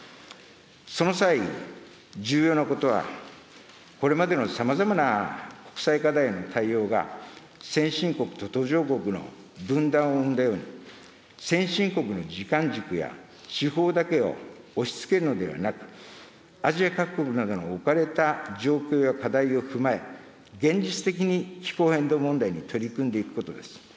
その際、重要なことは、これまでのさまざまな国際課題への対応が先進国と途上国の分断を生んだように、先進国の時間軸や手法だけを押しつけるのではなく、アジア各国などが置かれた状況や課題を踏まえ、現実的に気候変動問題に取り組んでいくことです。